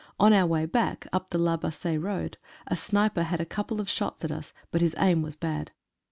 On our way back, up the La Bassee road, a sniper had a couple of shots at us, but his aim was bad.